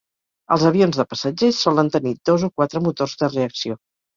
Els avions de passatgers solen tenir dos o quatre motors de reacció.